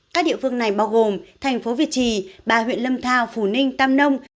các địa phương này bao gồm thành phố việt trì bà huyện lâm thao phủ ninh tâm nông